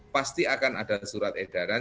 pasti akan ada surat edaran